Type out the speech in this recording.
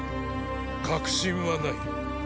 確信はない。